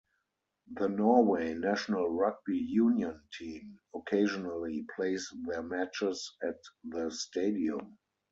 The Norway national rugby union team occasionally plays their matches at the stadium.